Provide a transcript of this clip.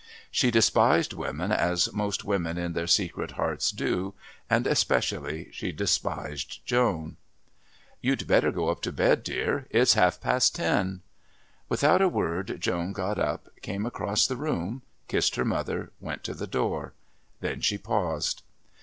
She despised women as most women in their secret hearts do, and especially she despised Joan. "You'd better go up to bed, dear. It's half past ten." Without a word Joan got up, came across the room, kissed her mother, went to the door. Then she paused.